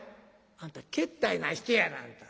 「あんたけったいな人やな。